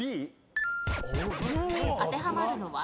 当てはまるのは？